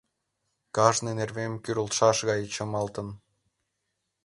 Кажне нервем кӱрлшаш гай чымалтын.